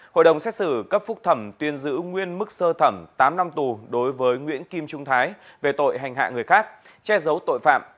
hội đồng xét xử cấp phúc thẩm tuyên giữ nguyên mức sơ thẩm tám năm tù đối với nguyễn kim trung thái về tội hành hạ người khác che giấu tội phạm